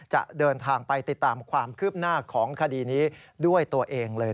จะเดินทางไปติดตามความคืบหน้าของคดีนี้ด้วยตัวเองเลย